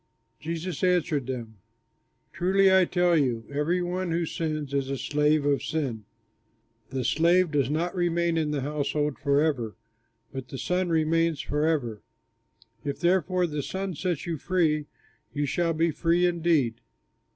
Jesus answered them, "Truly, I tell you, every one who sins is a slave of sin. The slave does not remain in the household forever, but the Son remains forever. If therefore the Son sets you free, you shall be free indeed.